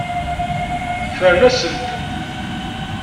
Ffren-asen-t.